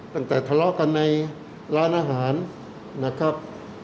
ตั้งแต่ทะเลาะกันในร้านอาหารนะครับ